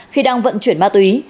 khi đang vận chuyển ma túy